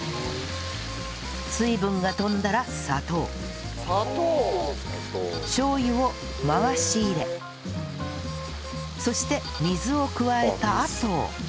水分が飛んだら砂糖しょう油を回し入れそして水を加えたあと